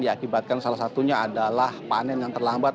ya akibatkan salah satunya adalah panen yang terlambat